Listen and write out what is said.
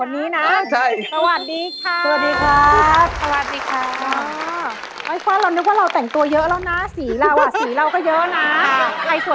นี่แสดงว่าแต่งมากี่ปีแล้วคะนี่